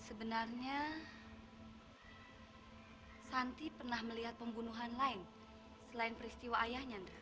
sebenarnya santi pernah melihat pembunuhan lain selain peristiwa ayahnyandra